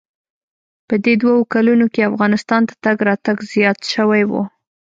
په دې دوو کلونو کښې افغانستان ته تگ راتگ زيات سوى و.